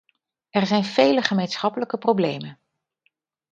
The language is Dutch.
Er zijn vele gemeenschappelijke problemen.